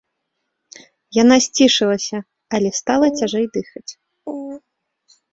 Яна сцішылася, але стала цяжэй дыхаць.